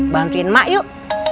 bantuin mak yuk